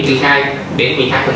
chiếm từ hai một mươi hai